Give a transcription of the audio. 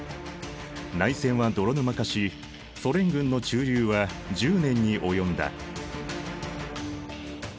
内戦は泥沼化しソ連軍の駐留は１０年に及んだ。